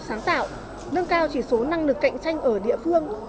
sáng tạo nâng cao chỉ số năng lực cạnh tranh ở địa phương